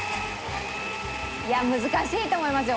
いや難しいと思いますよ